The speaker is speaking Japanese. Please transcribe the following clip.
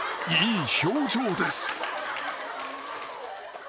いい表情です］